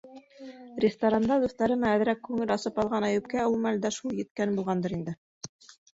Ресторанда дуҫтары менән әҙерәк күңел асып алған Әйүпкә ул мәлдә шул еткән булғандыр инде...